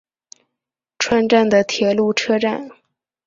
串站的铁路车站。